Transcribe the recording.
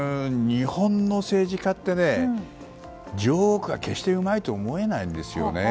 日本の政治家ってジョークは決してうまいとは思えないんですよね。